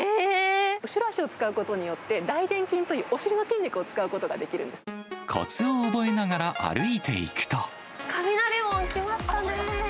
後ろ脚を使うことによって、大臀筋というお尻の筋肉を使うここつを覚えながら歩いていく雷門来ましたね。